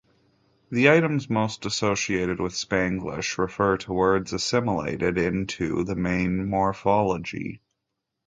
The items most associated with Spanglish refer to words assimilated into the main morphology.